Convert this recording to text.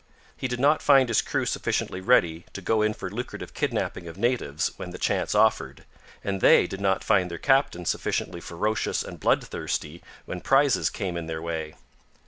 He did not find his crew sufficiently ready to go in for lucrative kidnapping of natives when the chance offered, and they did not find their captain sufficiently ferocious and bloodthirsty when prizes came in their way.